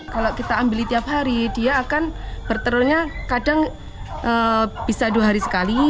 kalau kita ambil tiap hari dia akan bertelurnya kadang bisa dua hari sekali